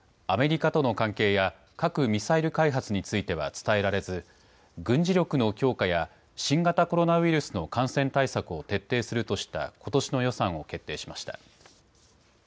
アメリカとの関係や核・ミサイル開発については伝えられず軍事力の強化や新型コロナウイルスの感染対策を徹底するとしたことしの予算を決定しました。